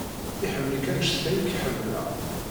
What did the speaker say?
Iḥemmel-ik anect ay k-ḥemmleɣ.